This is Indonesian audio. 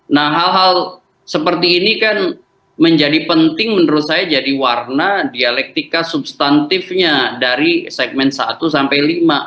nah hal hal seperti ini kan menjadi penting menurut saya jadi warna dialektika substantifnya dari segmen satu sampai lima